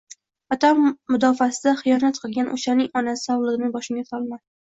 Vatan mudofaasida xiyonat qilgan o'shaning onasi ahvolini boshimga solma.